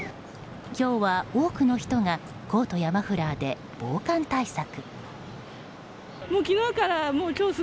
今日は多くの人がコートやマフラーで防寒対策。